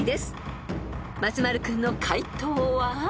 ［松丸君の解答は？］